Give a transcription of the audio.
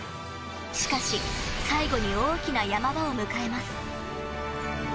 しかし、最後に大きなヤマ場を迎えます。